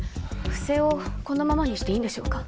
不正をこのままにしていいんでしょうか？